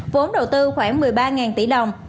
vốn đầu tư khoảng một mươi ba tỷ đồng